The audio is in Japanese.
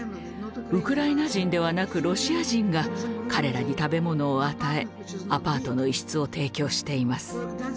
ウクライナ人ではなくロシア人が彼らに食べ物を与えアパートの一室を提供しています。